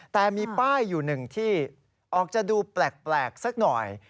แต่มีป้ายอยู่หนึ่งที่ออกจะดูแปลกสักหน่อย